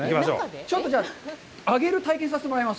ちょっとじゃあ上げる体験、させてもらいます。